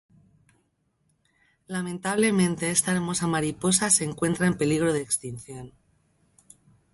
Lamentablemente esta hermosa mariposa se encuentra en peligro de extinción.